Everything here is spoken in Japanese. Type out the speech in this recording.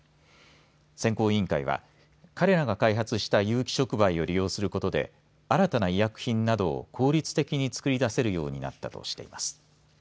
選考委員会は彼らが開発した有機触媒を利用することで新たな医薬品などを効率的に作り出せるようになったとしています。